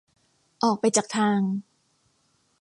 ออกไปจากทาง